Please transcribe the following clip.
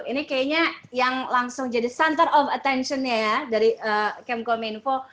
ini kayaknya yang langsung jadi center of attentionnya ya dari kemkominfo